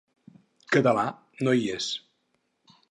Català "no hi es".